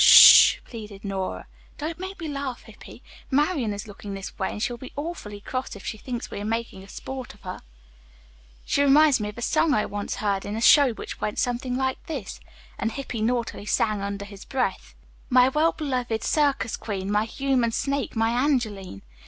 "Sh h h!" pleaded Nora. "Don't make me laugh, Hippy. Marian is looking this way, and she'll be awfully cross if she thinks we are making sport of her." "She reminds me of a song I once heard in a show which went something like this," and Hippy naughtily sang under his breath: "My well beloved circus queen, My human snake, my Angeline!"